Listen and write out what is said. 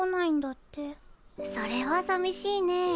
それはさみしいねえ。